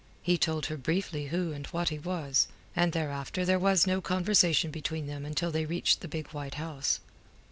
He told her briefly who and what he was, and thereafter there was no conversation between them until they reached the big white house.